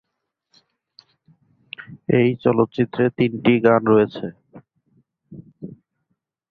এই চলচ্চিত্রে তিনটি গান রয়েছে।